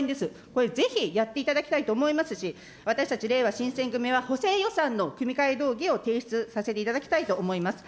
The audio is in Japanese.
これ、ぜひやっていただきたいと思いますし、私たちれいわ新選組は、補正予算の組替動議を提出させていただきたいと思います。